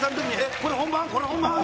これ本番？